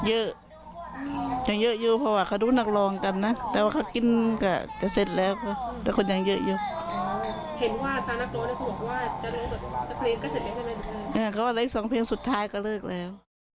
เขาอีกสองเพลงสุดท้ายก็เลิกแล้ว